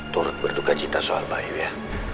turut bertukacita soal bayu ya